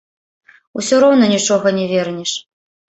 Усё роўна нічога не вернеш.